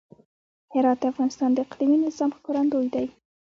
هرات د افغانستان د اقلیمي نظام ښکارندوی دی.